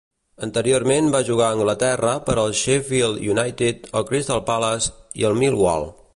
Anteriorment va jugar a Anglaterra per al Sheffield United, el Crystal Palace i el Millwall.